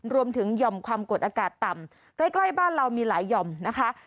หย่อมความกดอากาศต่ำใกล้บ้านเรามีหลายหย่อมนะคะ